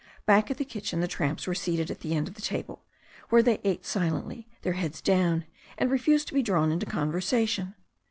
Back at the kitchen the tramps were seated at the end of the tahle, where they ate silently, their heads down, and re fused to be drawn into conversation.